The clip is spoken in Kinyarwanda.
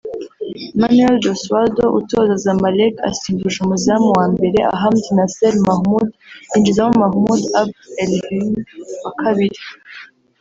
' Manuel Josualdo utoza Zamalek asimbuje umuzamu wa mbere Ahmed Nasser Mahmoud yinjizamo Mahmoud Abd Elrehim wa kabiri